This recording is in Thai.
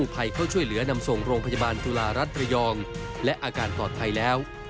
ภัยเข้าช่วยเหลือนำส่งโรงพยาบาลจุฬารัฐระยองและอาการปลอดภัยแล้ว